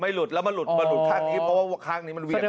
หลุดแล้วมาหลุดมาหลุดข้างนี้เพราะว่าข้างนี้มันเหวี่ยง